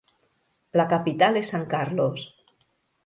La capital és San Carlos.